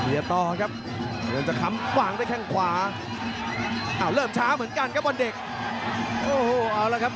เผพยายามสวดด้วยครับพยายามจะคำปางด้วยแข่งขวาเอาก็เริ่มชาเหมือนกันครับวันเด็กโอ้โหเอาครับ